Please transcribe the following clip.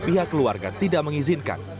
pihak keluarga tidak mengizinkan